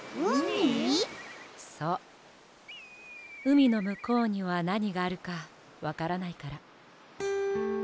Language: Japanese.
うみのむこうにはなにがあるかわからないから。